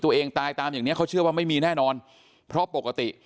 ตัวเองตายตามอย่างเนี้ยเขาเชื่อว่าไม่มีแน่นอนเพราะปกติ